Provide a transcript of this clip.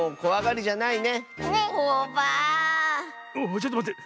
ちょっとまって。